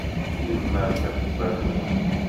Yemma d tabugaṭut.